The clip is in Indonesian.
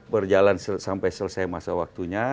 berjalan sampai selesai masa waktunya